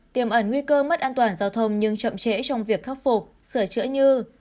tiềm ẩn nguy cơ mất an toàn giao thông nhưng chậm trễ trong việc khắc phục sửa chữa như